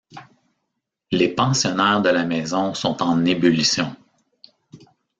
Les pensionnaires de la maison sont en ébullition.